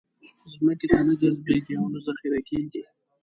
ځمکې ته نه جذبېږي او نه ذخېره کېږي.